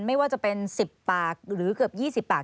ไม่ว่าจะเป็น๑๐ปากหรือเกือบ๒๐ปาก